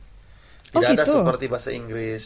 tidak ada seperti bahasa inggris